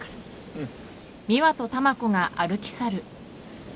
うん。